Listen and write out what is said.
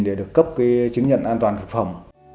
để được cấp chứng nhận an toàn thực phẩm